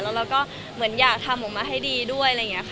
แล้วเราก็เหมือนอยากทำออกมาให้ดีด้วยอะไรอย่างนี้ค่ะ